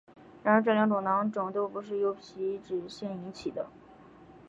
然而这两种囊肿都不是由皮脂腺引起的。